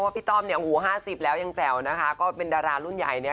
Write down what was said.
พี่ต้อมห้าสิบแล้วยังแจ๋วเป็นดารารุ่นใหญ่